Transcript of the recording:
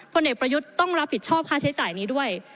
เด็กประยุทธ์ต้องรับผิดชอบค่าใช้จ่ายนี้ด้วย